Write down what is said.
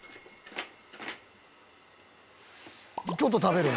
ちょっと食べるな。